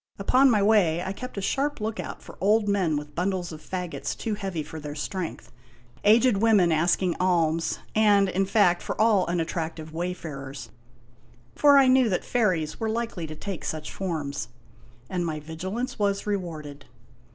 Upon my way I kept a sharp lookout for old men with bundles of fagots too heavy for their strength, aged women asking alms, and, in fact, for all unattractive wayfarers ; for I knew that fairies were likely to take such forms. And my vigilance was rewarded.